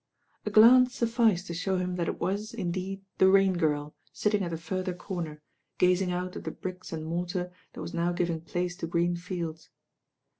A glance sufficed to show him that it was, indeed, the Rain Girl sitting at the further comer, gazing out at the bricks and mortar that was now giving place to green fields.